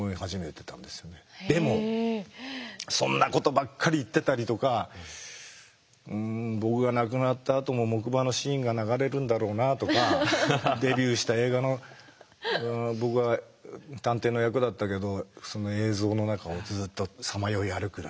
でもそんなことばっかり言ってたりとか僕が亡くなったあとも木馬のシーンが流れるんだろうなとかデビューした映画の僕は探偵の役だったけどその映像の中をずっとさまよい歩く。